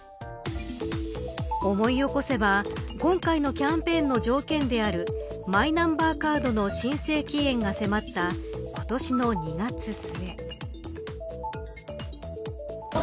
思い起こせば今回のキャンペーンの条件であるマイナンバーカードの申請期限が迫った今年の２月末。